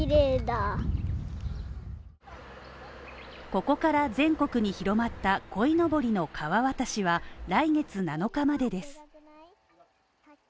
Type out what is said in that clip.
ここから全国に広まったこいのぼりの川渡しは来月７日までです。